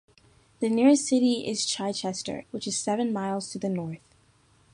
The nearest city is Chichester, which is seven miles to the north.